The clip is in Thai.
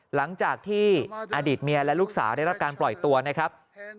หลังจากที่อดีตเมียและลูกสาวได้รับการปล่อยตัวนะครับ